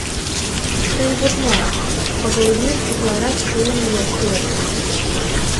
— Тый вот мо, пагалымем, утларак чулым лияш кӱлеш.